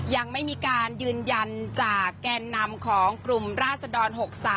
ยังไม่มีการยืนยันจากแกนนำของกลุ่มราศดร๖๓